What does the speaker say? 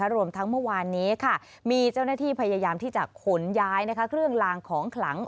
รวมทั้งเมื่อวานนี้มีเจ้าหน้าที่พยายามที่จะขนย้ายเครื่องลางของขลัง